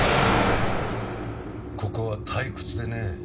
ここは退屈でね。